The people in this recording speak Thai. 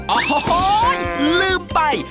โอ้โหลืมไป